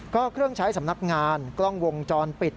ก็เครื่องใช้สำนักงานกล้องวงจรปิด